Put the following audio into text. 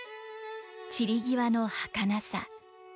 散り際のはかなさ。